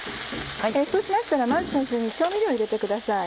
そうしましたらまず最初に調味料入れてください。